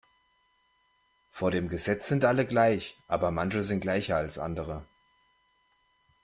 Vor dem Gesetz sind alle gleich, aber manche sind gleicher als andere.